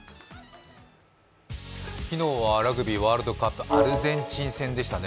昨日はラグビーワールドカップ、アルゼンチン戦でしたね。